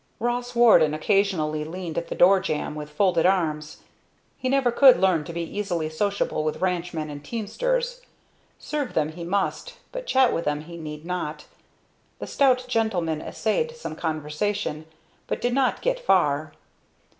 Ross Warden occasionally leaned at the door jamb, with folded arms. He never could learn to be easily sociable with ranchmen and teamsters. Serve them he must, but chat with them he need not. The stout gentleman essayed some conversation, but did not get far.